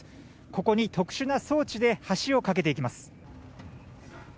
ここに特殊な装置で橋を架けていきます。